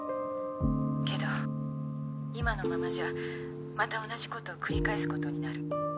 けど今のままじゃまた同じことを繰り返すことになる。